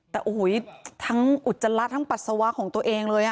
แต่โอ้โหทั้งอุจจาระทั้งปัสสาวะของตัวเองเลย